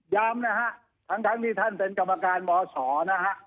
นะฮะทั้งที่ท่านเป็นกรรมการมศนะฮะ